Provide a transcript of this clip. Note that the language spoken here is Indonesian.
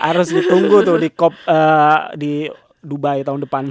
harus ditunggu tuh di dubai tahun depan